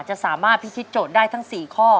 จะสามารถพิธีโจทย์ได้ทั้ง๔ข้อ